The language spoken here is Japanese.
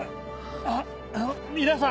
あ皆さん